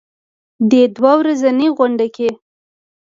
دې دوه ورځنۍ غونډه کې